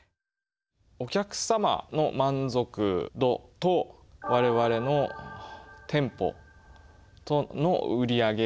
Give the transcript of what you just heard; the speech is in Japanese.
お客様の満足度と我々の店舗の売り上げ。